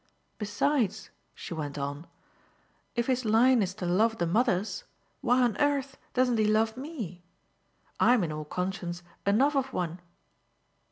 Besides," she went on, "if his line is to love the mothers why on earth doesn't he love ME? I'm in all conscience enough of one."